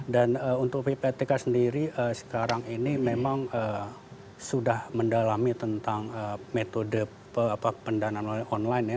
dan untuk ppatk sendiri sekarang ini memang sudah mendalami tentang metode pendanaan online ya